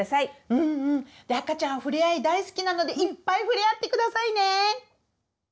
赤ちゃんふれあい大好きなのでいっぱいふれあってくださいね！